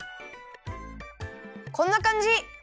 こんなかんじ！